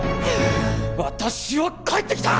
私は帰ってきた！